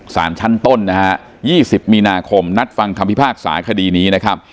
สารชั้นต้นนะฮะ๒๐มีนาคมนัดฟังคำพิพากษาคดีนี้นะครับ